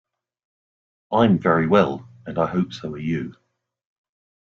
I’m very well, and I hope so are you.